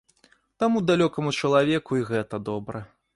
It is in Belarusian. Таму далёкаму чалавеку й гэта добра.